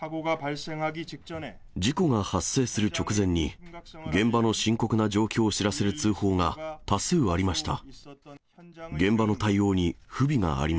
事故が発生する直前に、現場の深刻な状況を知らせる通報が多数ありました。